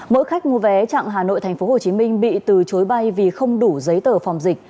mỗi khách mua vé chặng hà nội tp hcm bị từ chối bay vì không đủ giấy tờ phòng dịch